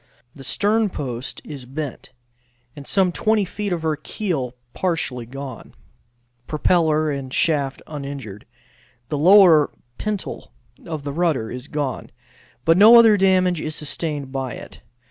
The sternpost is bent, and some 20 feet of her keel partially gone; propeller and shaft uninjured. The lower pintle of the rudder is gone, but no other damage is sustained by it.